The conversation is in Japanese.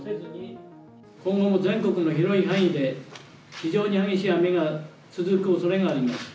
今後も全国の広い範囲で、非常に激しい雨が続くおそれがあります。